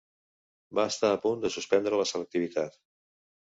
Va estar a punt de suspendre la selectivitat.